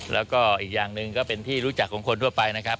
แล้วก็อีกอย่างหนึ่งก็เป็นที่รู้จักของคนทั่วไปนะครับ